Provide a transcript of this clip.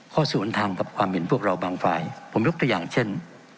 สวนทางกับความเห็นพวกเราบางฝ่ายผมยกตัวอย่างเช่น